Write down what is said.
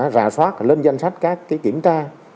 rà soát lên danh sách các kiểm tra